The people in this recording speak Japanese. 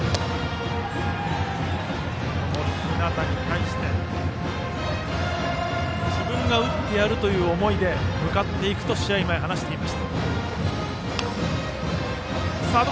日當に対して自分が打ってやるという思いで向かっていくと試合前、話していました。